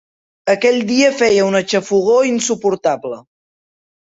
Aquell dia feia una xafogor insuportable.